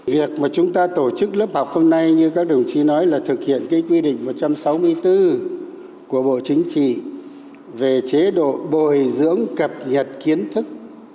việc mà chúng ta tổ chức lớp học hôm nay như các đồng chí nói là thực hiện cái quy định một trăm sáu mươi bốn của bộ chính trị về chế độ bồi dưỡng cập nhật kiến thức